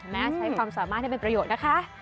ใช้ความสามารถให้เป็นประโยชน์นะคะ